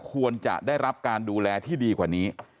ควรจะได้รับการดูแลที่ดีกว่านี้